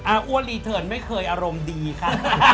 อ้วนรีเทิร์นไม่เคยอารมณ์ดีค่ะ